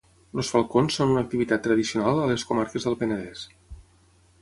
Els falcons són una activitat tradicional a les comarques del Penedès.